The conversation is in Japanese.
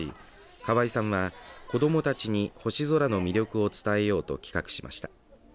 河合さんは子どもたちに星空の魅力を伝えようと企画しました。